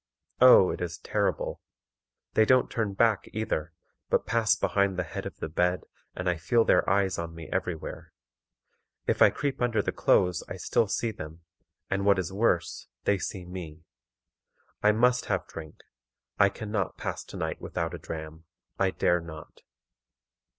Oh! it is terrible. They don't turn back either, but pass behind the head of the bed, and I feel their eyes on me every where. If I creep under the clothes I still see them, and, what is worse, they see me. _I must have drink. I can not pass to night without a dram. I dare not.